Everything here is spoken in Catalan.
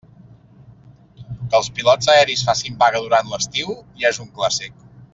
Que els pilots aeris facin vaga durant l'estiu, ja és un clàssic.